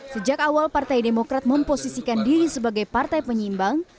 sejak awal partai demokrat memposisikan diri sebagai partai penyimbang